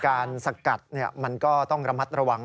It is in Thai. สกัดมันก็ต้องระมัดระวัง